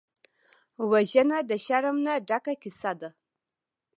وژنه د شرم نه ډکه کیسه ده